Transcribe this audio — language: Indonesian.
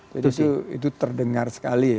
jadi itu terdengar sekali ya